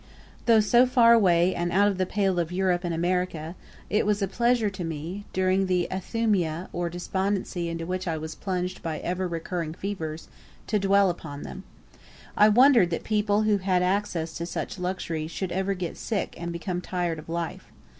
Though so far away and out of the pale of Europe and America, it was a pleasure to me, during the athumia or despondency into which I was plunged by ever recurring fevers, to dwell upon them. I wondered that people who had access to such luxuries should ever get sick, and become tired of life.